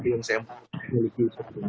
yang saya memiliki